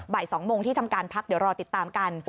บ่าย๒โมงที่ทำการพักเดี๋ยวรอติดตามกัน